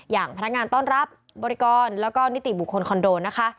อย่างพนักงานต้อนรับบริกรแล้วก็นิติบุคคลคอนโดนะคะ